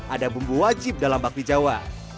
ada bumbu wajib dalam bakmi jawa